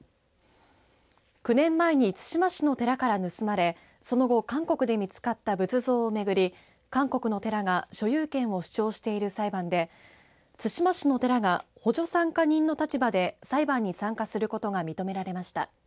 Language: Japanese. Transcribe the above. ９年前に対馬市の寺から盗まれその後韓国で見つかった仏像をめぐり韓国の寺が所有権を主張している裁判で対馬市の寺が補助参加人の立場で裁判に参加することが認められました。